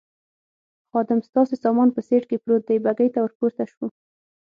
خادم: ستاسې سامان په سېټ کې پروت دی، بګۍ ته ور پورته شوو.